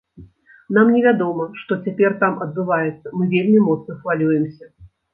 Нам невядома, што цяпер там адбываецца, мы вельмі моцна хвалюемся.